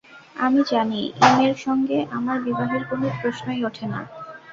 আমি জানি, ই মেয়ের সঙ্গে আমার বিবাহের কোনো প্রশ্নই ওঠে না।